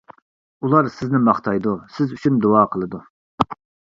ئۇلار سىزنى ماختايدۇ، سىز ئۈچۈن دۇئا قىلىدۇ.